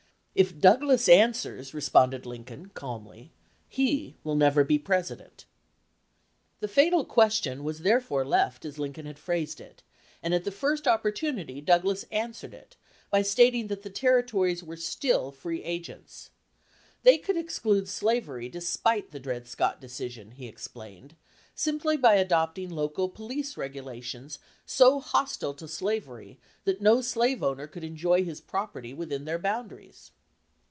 "If Douglas answers," responded Lin coln, calmly, "he will never be President." The fatal question was therefore left as Lin coln had phrased it, and at the first opportunity Douglas answered by stating that the Territories were still free agents. They could exclude slavery despite the Dred Scott decision, he ex plained, simply by adopting local police regula tions so hostile to slavery that no slave owner could enjoy his property within their boundaries.